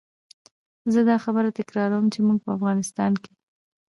زه دا خبره تکراروم چې موږ په افغانستان کې.